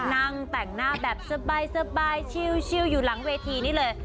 นั่งแต่งหน้าแบบสบายชิวอยู่หลังเวทีนี้เลย